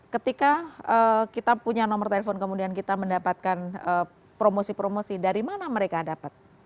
ketika kita punya nomor telepon kemudian kita mendapatkan promosi promosi dari mana mereka dapat